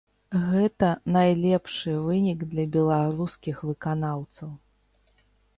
Гэта найлепшы вынік для беларускіх выканаўцаў.